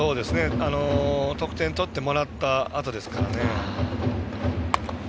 得点を取ってもらったあとの攻撃ですからね。